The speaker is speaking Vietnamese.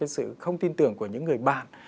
sự không tin tưởng của những người bạn